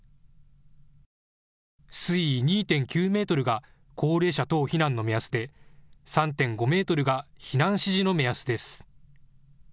水位２．９メートルが高齢者等避難の目安で３．５メートルが避難指示の目安です。